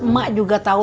mak juga tahu